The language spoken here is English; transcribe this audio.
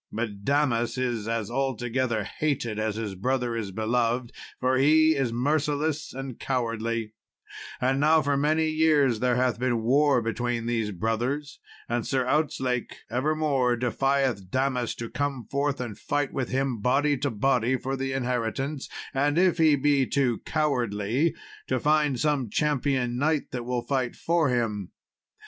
But Damas is as altogether hated as his brother is beloved, for he is merciless and cowardly: and now for many years there hath been war between these brothers, and Sir Outzlake evermore defieth Damas to come forth and fight with him, body to body, for the inheritance; and if he be too cowardly, to find some champion knight that will fight for him.